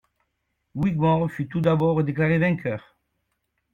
Wigmore fut tout d'abord déclaré vainqueur.